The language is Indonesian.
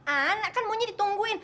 anak kan maunya ditungguin